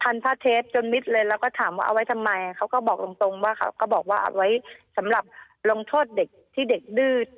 ผ้าเทปจนมิดเลยแล้วก็ถามว่าเอาไว้ทำไมเขาก็บอกตรงตรงว่าเขาก็บอกว่าเอาไว้สำหรับลงโทษเด็กที่เด็กดื้อ